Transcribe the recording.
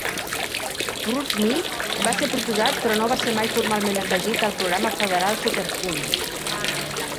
Wurtsmith va ser proposat però no va ser mai formalment afegit al programa federal Superfund.